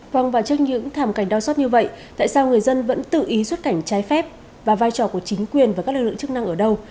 vâng và trước những thảm cảnh đau xót như vậy tại sao người dân vẫn tự ý xuất cảnh trái phép và vai trò của chính quyền và các lực lượng chức năng ở đâu